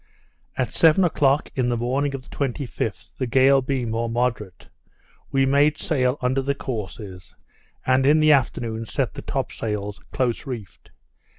At seven o'clock in the morning of the 25th, the gale being more moderate, we made sail under the courses, and in the afternoon set the top sails close reefed.